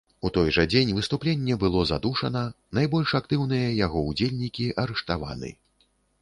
У той жа дзень выступленне было задушана, найбольш актыўныя яго ўдзельнікі арыштаваны.